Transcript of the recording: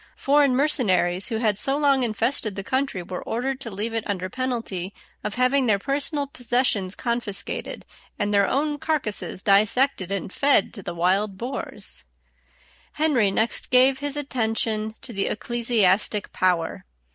Foreign mercenaries who had so long infested the country were ordered to leave it under penalty of having their personal possessions confiscated, and their own carcasses dissected and fed to the wild boars. [Illustration: FOREIGN MERCENARIES LEAVE ENGLAND.] Henry next gave his attention to the ecclesiastic power.